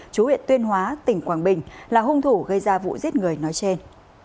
chú huyện tuyên hóa tỉnh quảng bình là hung thủ gây ra vụ giết người nói trên